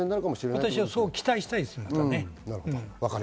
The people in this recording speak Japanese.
私はそう期待したいです。